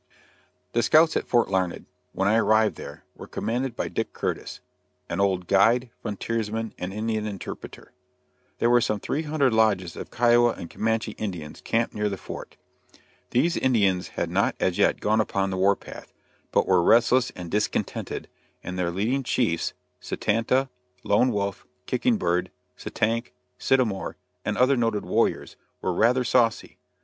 The scouts at Fort Larned, when I arrived there, were commanded by Dick Curtis an old guide, frontiersman and Indian interpreter. There were some three hundred lodges of Kiowa and Comanche Indians camped near the fort. These Indians had not as yet gone upon the war path, but were restless and discontented, and their leading chiefs, Satanta, Lone Wolf, Kicking Bird, Satank, Sittamore, and other noted warriors, were rather saucy.